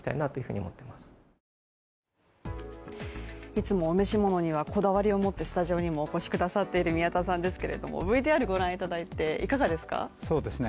いつも御召物にはこだわりを持ってスタジオにもお越しくださっている宮田さんですけれどもＶＴＲご覧いただいていかがですか。